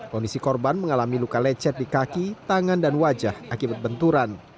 kondisi korban mengalami luka lecet di kaki tangan dan wajah akibat benturan